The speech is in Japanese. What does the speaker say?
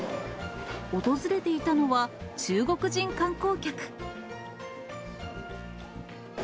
訪れていたのは中国人観光客。